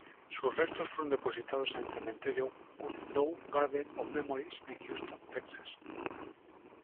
Sus restos fueron depositados en el cementerio, Woodlawn Garden of Memories, en Houston, Texas.